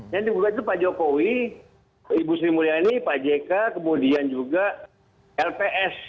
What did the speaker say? yang digugat itu pak jokowi ibu sri mulyani pak jk kemudian juga lps